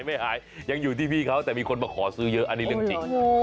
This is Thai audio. ไม่หายยังอยู่ที่พี่เขาแต่มีคนมาขอซื้อเยอะอันนี้เรื่องจริง